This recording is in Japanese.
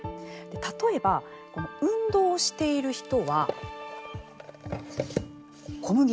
例えば運動をしている人は、小麦。